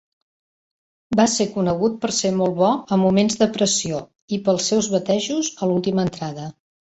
Va ser conegut per ser molt bo en moments de pressió i pels seus batejos a l'última entrada.